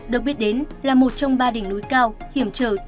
được biết đến là một trong ba đỉnh núi cao hiểm trở